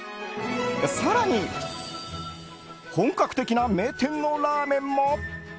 更に、本格的な名店のラーメンも。